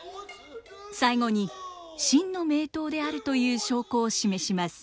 最後に真の名刀であるという証拠を示します。